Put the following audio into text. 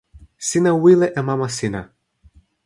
sina wile e mama sina.